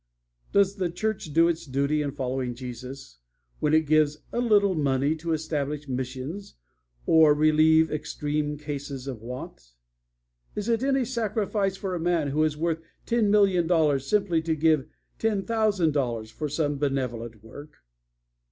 Does the church do its duty in following Jesus when it gives a little money to establish missions or relieve extreme cases of want? Is it any sacrifice for a man who is worth ten million dollars simply to give ten thousand dollars for some benevolent work?